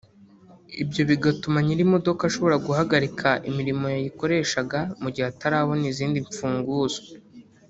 ibyo bigatuma nyir’imodoka ashobora guhagarika imirimo yayikoreshaga mu gihe atarabona izindi mfunguzo